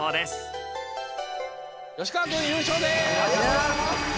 吉川君優勝です！